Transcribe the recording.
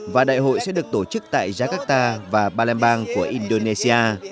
và đại hội sẽ được tổ chức tại jakarta và palembang của indonesia